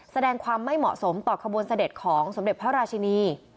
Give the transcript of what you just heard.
แสดงความไม่เหมาะสมต่อขบวนเสด็จของสมเด็จพระราชินี